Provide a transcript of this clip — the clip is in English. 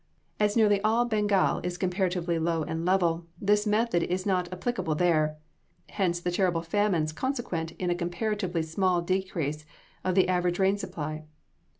As nearly all Bengal is comparatively low and level, this method is not applicable there; hence, the terrible famines consequent in a comparatively small decrease of the average rain supply.